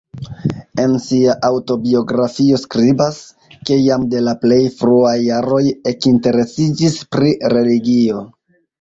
En sia aŭtobiografio skribas, ke jam de la plej fruaj jaroj ekinteresiĝis pri religio.